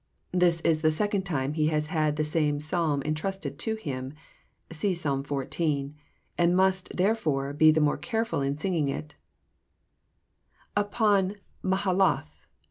This is the second time he has had the same Psalm entrusted to him (see Psalm xiv.), and he must, therefore, be the more careful in singing U. Upon Mahalath.